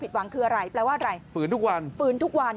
หวังคืออะไรแปลว่าอะไรฝืนทุกวันฝืนทุกวัน